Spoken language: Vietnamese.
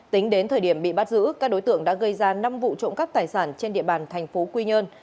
tính đến thời điểm bị bắt giữ các đối tượng đã gây ra năm vụ trộm cắp tài sản trên địa bàn thành phố quy nhơn